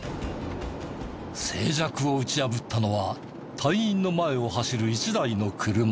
静寂を打ち破ったのは隊員の前を走る一台の車。